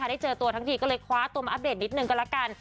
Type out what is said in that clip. ใครได้เจอทั้งที่ก็เลยคว้าตัวมาอัปเดตนิดหนึ่งก่อนละกัน